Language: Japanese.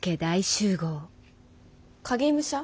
影武者？